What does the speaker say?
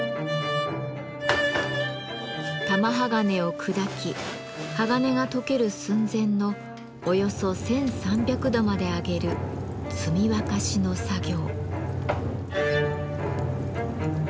玉鋼を砕き鋼が溶ける寸前のおよそ１，３００度まで上げる積沸しの作業。